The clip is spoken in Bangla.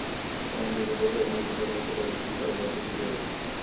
তারা নিজেদের কাজ নিজেদের মত করুক, তারা যা খুশী করুক।